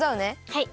はい！